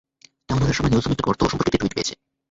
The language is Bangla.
টাউন হলের সময় নিউজম একটি গর্ত সম্পর্কে একটি টুইট পেয়েছে।